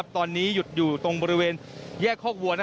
ตอนนี้หยุดอยู่ตรงบริเวณแยกคอกวัว